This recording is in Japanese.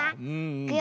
いくよ。